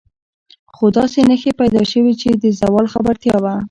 خو داسې نښې پیدا شوې چې د زوال خبرتیا وه.